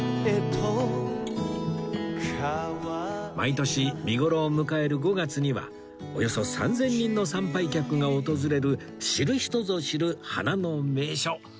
毎年見頃を迎える５月にはおよそ３０００人の参拝客が訪れる知る人ぞ知る花の名所